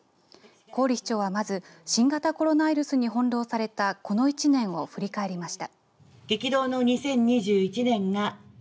郡市長は、まず新型コロナウイルスにほんろうされたこの１年を振り返りました。